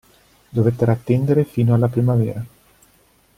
Dovettero attendere fino alla primavera.